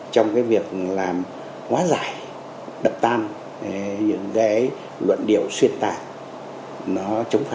trong cái việc làm hóa giải đập tam những cái luận điệu xuyên tài nó chống phá